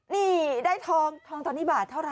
นี่ได้ทองทองตอนนี้บาทเท่าไห